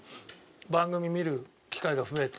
番組見る機会が増えて